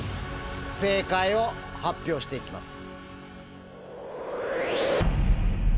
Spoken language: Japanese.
正解を発表して行きます。